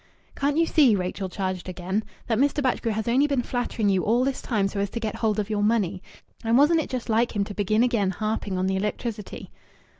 "Can't you see," Rachel charged again, "that Mr. Batchgrew has only been flattering you all this time so as to get hold of your money? And wasn't it just like him to begin again harping on the electricity?>"